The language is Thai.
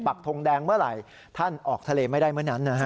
ทงแดงเมื่อไหร่ท่านออกทะเลไม่ได้เมื่อนั้นนะฮะ